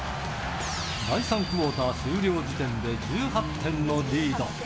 第３クオーター終了時点で１８点のリード。